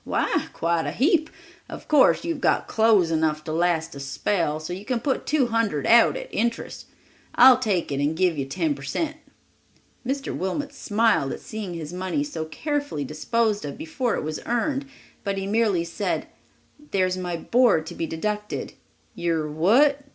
Why, quite a heap! Of course you've got clothes enough to last a spell, so you can put two hundred out at interest. I'll take it and give you ten per cent." Mr. Wilmot smiled at seeing his money so carefully disposed of before it was earned, but he merely said, "There's my board to be deducted." "Your what?"